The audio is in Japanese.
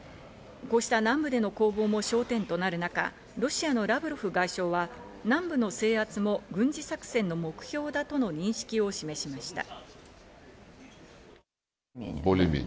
こうした南部での攻防も焦点となる中、ロシアのラブロフ外相は、南部の制圧も軍事作戦の目標だとの認識を示しました。